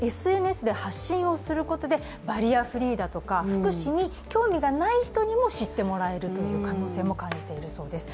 ＳＮＳで発信することでバリアフリーだとか福祉に興味がない人にも知ってもらえる可能性も感じているそうです。